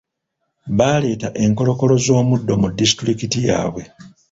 Baaleeta enkolokolo z'omuddo mu disitulikiti yaabwe.